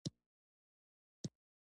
دښتې د طبیعي پدیدو یو رنګ دی.